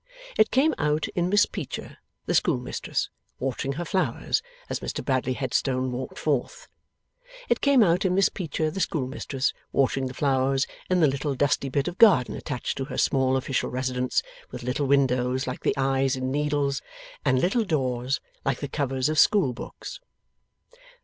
It came out in Miss Peecher the schoolmistress, watering her flowers, as Mr Bradley Headstone walked forth. It came out in Miss Peecher the schoolmistress, watering the flowers in the little dusty bit of garden attached to her small official residence, with little windows like the eyes in needles, and little doors like the covers of school books.